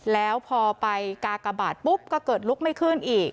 แล้วพอไปกาบัตรก็เกิดรุกไม่ขึ้นอีก